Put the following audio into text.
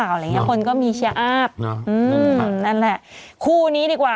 แต่ตอนนี้ก็ได้เลิกชัวร์แล้ว